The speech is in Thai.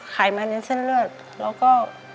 ไขมันในเส้นเลือดแล้วก็